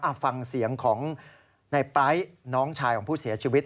อ่าฟังเสียงของนายแป๊ะน้องชายของผู้เสียชีวิต